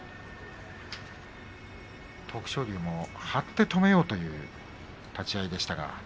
徳勝龍も張って動きを止めようという立ち合いでした。